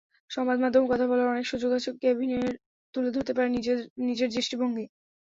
সংবাদমাধ্যমে কথা বলার অনেক সুযোগ আছে কেভিনের, তুলে ধরতে পারে নিজের দৃষ্টিভঙ্গি।